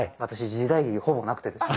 時代劇ほぼなくてですね。